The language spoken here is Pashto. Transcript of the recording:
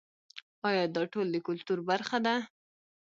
آیا دا ټول د کلتور برخه ده؟